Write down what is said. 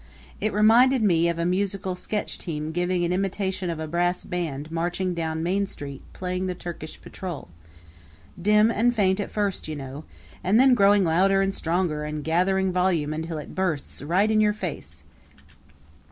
It reminded me of a musical sketch team giving an imitation of a brass band marching down Main Street playing the Turkish Patrol dim and faint at first, you know, and then growing louder and stronger, and gathering volume until it bursts right in your face.